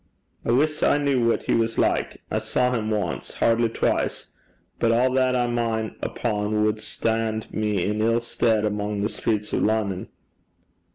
'I wis I kent what he was like. I saw him ance hardly twise, but a' that I min' upo' wad stan' me in ill stead amo' the streets o' Lonnon.'